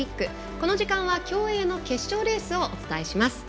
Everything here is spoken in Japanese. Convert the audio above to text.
この時間は競泳の決勝レースをお届けします。